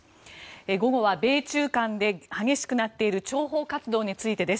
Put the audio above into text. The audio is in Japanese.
午後は米中間で激しくなっている諜報活動についてです。